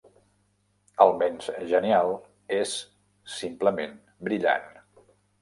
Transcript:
Almenys genial, és simplement brillant...